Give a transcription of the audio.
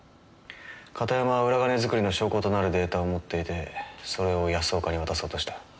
片山は裏金作りの証拠となるデータを持っていてそれを安岡に渡そうとした。